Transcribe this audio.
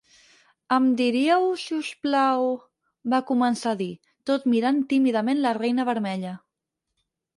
"Em diríeu, si us plau..." va començar a dir, tot mirant tímidament la Reina Vermella.